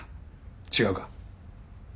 違うか？